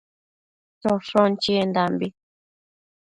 choshon chiendambi